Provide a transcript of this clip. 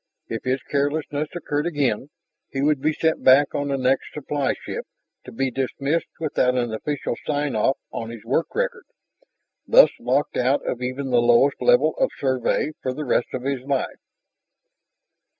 If his carelessness occurred again, he would be sent back on the next supply ship, to be dismissed without an official sign off on his work record, thus locked out of even the lowest level of Survey for the rest of his life.